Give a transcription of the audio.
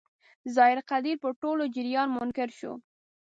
ظاهر قدیر پر ټول جریان منکر شو.